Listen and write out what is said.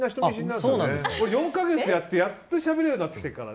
４か月やって、やっとしゃべれるようになってきてるから。